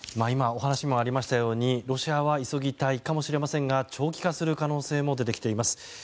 今お話にもありましたようにロシアは急ぎたいかもしれませんが長期化する可能性も出てきています。